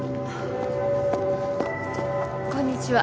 こんにちは